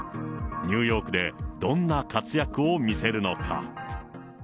ニューヨークでどんな活躍を見せるのか。